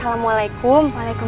bener juga sih cu